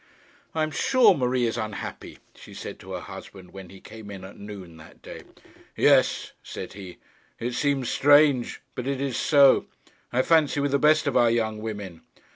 'I am sure Marie is unhappy,' she said to her husband when he came in at noon that day. 'Yes,' said he. 'It seems strange, but it is so, I fancy, with the best of our young women.